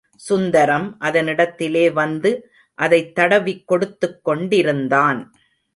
சுந்தரம் அதனிடத்திலே வந்து அதைத் தடவிக் கொடுத்துக்கொண்டிருந்தான்.